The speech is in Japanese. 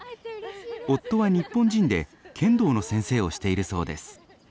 夫は日本人で剣道の先生をしているそうです。